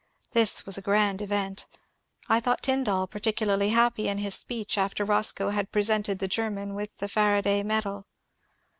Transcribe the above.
This was a grand event. I thought Tyndall particularly happy in his speech, after Boscoe had presented the Grerman with the Far aday medal.